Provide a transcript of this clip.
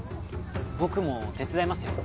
僕も手伝いますよ？